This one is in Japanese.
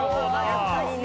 やっぱりね。